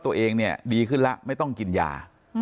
ตัวเองเนี่ยดีขึ้นแล้วไม่ต้องกินยา